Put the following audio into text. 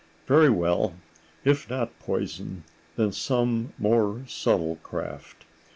Very well, if not poison, then some more subtle craft.